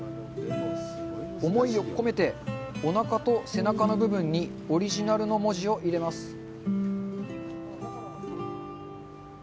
思いを込めて、おなかと背中の部分にオリジナルの文字を入れます。